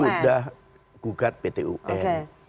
sudah gugat pt un